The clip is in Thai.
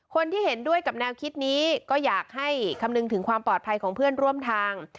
คนที่เห็นด้วยกับแนวคิดนี้ก็อยากให้คำนึงถึงความปลอดภัยของเพื่อนร่วมทาง